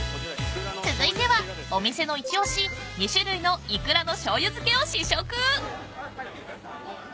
［続いてはお店の一押し２種類のイクラのしょうゆ漬けを試食］